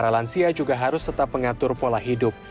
lansia juga harus tetap mengatur pola hidup